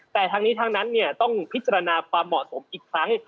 แต่ทั้งนี้ทั้งนั้นต้องพิจารณาความเหมาะสมอีกครั้ง